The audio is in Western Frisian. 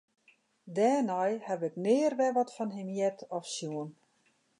Dêrnei ha ik nea wer wat fan him heard of sjoen.